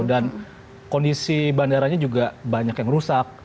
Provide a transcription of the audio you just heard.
dan kondisi bandaranya juga banyak yang rusak